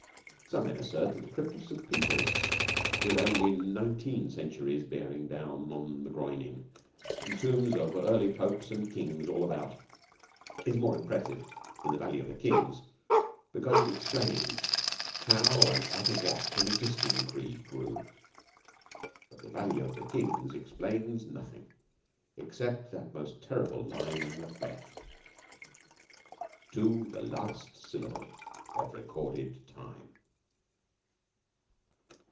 Some men assert that the crypt of St. Peter's, with only nineteen centuries bearing down on the groining, and the tombs of early popes and kings all about, is more impressive than the Valley of the Kings because it explains how and out of what an existing creed grew. But the Valley of the Kings explains nothing except that most terrible line in Macbeth: To the last syllable of recorded time.